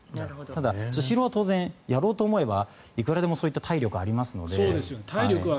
ただスシローは当然やろうと思えばいくらでもそういった体力はありますので。